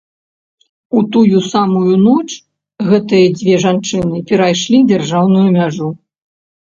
У тую самую ноч гэтыя дзве жанчыны перайшлі дзяржаўную мяжу.